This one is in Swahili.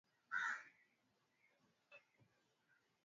na mwaka elfumoja miatisa thelathini Wakurdi waliasi